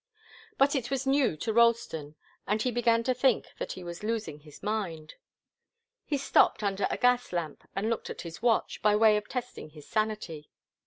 But it was new to Ralston, and he began to think that he was losing his mind. He stopped under a gas lamp and looked at his watch, by way of testing his sanity.